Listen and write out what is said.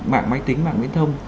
mạng máy tính mạng nguyên tông